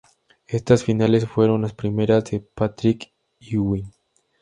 Estas Finales fueron las primeras de Patrick Ewing.